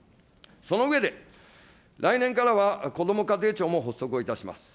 その上で、来年からはこども家庭庁も発足いたします。